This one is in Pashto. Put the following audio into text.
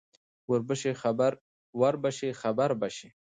ـ وربشې خبر بشې.